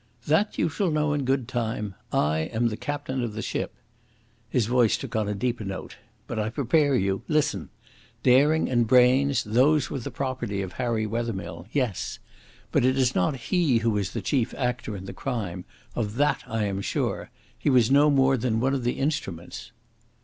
"That you shall know in good time. I am the captain of the ship." His voice took on a deeper note. "But I prepare you. Listen! Daring and brains, those were the property of Harry Wethermill yes. But it is not he who is the chief actor in the crime. Of that I am sure. He was no more than one of the instruments."